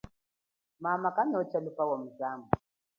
Mama kanotsha luba wa muzambu.